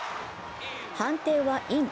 判定はイン。